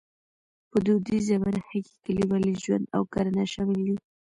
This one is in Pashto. په دودیزه برخه کې کلیوالي ژوند او کرنه شامل دي.